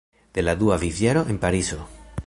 De la dua vivjaro en Parizo.